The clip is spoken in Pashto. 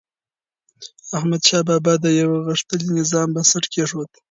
احمدشاه بابا د یو غښتلي نظام بنسټ کېښود.